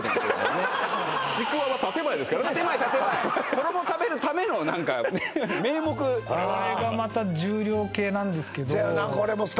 建前建前衣を食べるための何か名目これがまた重量系なんですけどそやろな